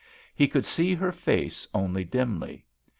He could see her face only dimly.